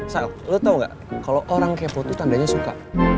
lo tau gak kalau orang kepo tuh tandanya suka